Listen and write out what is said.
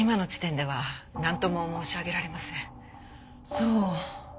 そう。